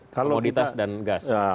komoditas dan gas